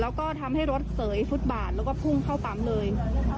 แล้วก็ทำให้รถเสยฟุตบาทแล้วก็พุ่งเข้าปั๊มเลย